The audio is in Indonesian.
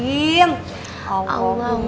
allahumma kasuntuh wa bihakum